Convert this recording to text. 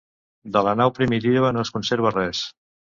De la nau primitiva no es conserva res.